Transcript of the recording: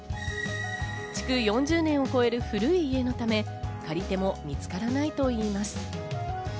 築４０年を超える古い家のため、借り手も見つからないといいます。